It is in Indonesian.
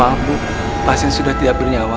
pasien sudah tidak bernyawa